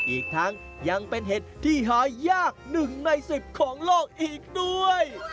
อีกทั้งยังเป็นเห็ดที่หายาก๑ใน๑๐ของโลกอีกด้วย